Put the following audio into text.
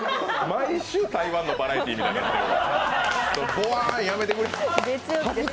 毎週、台湾のバラエティーみたいになってる。